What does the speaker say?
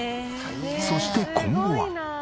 そして今後は。